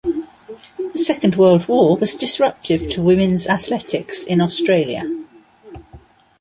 The second World War was disruptive to women's athletics in Australia.